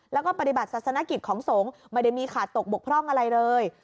แล้วก็ปฏิบัติศาสนกิจของสงฆ์ไม่ได้มีขาดตกบกพร่องอะไรเลย